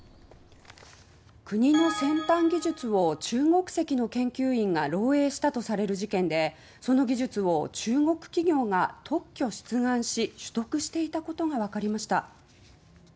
国の先端技術を中国籍の研究員が漏えいしたとされる事件でその技術を中国企業が特許出願し取得していたことがわかりました。